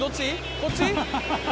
こっち？